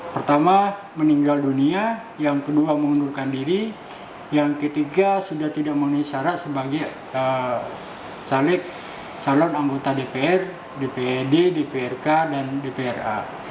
pertama meninggal dunia yang kedua mengundurkan diri yang ketiga sudah tidak memenuhi syarat sebagai caleg calon anggota dpr dprd dprk dan dpra